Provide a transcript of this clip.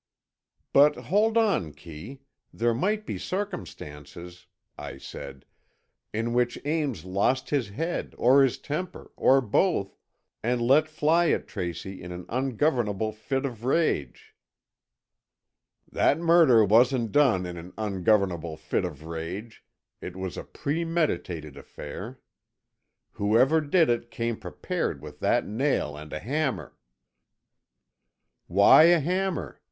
"But, hold on, Kee. There might be circumstances," I said, "in which Ames lost his head, or his temper, or both, and let fly at Tracy in an ungovernable fit of rage——" "That murder wasn't done in an ungovernable fit of rage, it was a premeditated affair. Whoever did it, came prepared with that nail and a hammer——" "Why a hammer?"